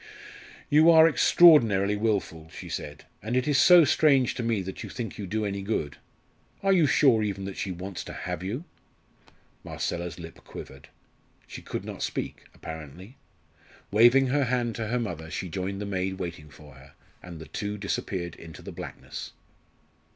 "You are extraordinarily wilful," she said. "And it is so strange to me that you think you do any good. Are you sure even that she wants to have you?" Marcella's lip quivered. She could not speak, apparently. Waving her hand to her mother, she joined the maid waiting for her, and the two disappeared into the blackness.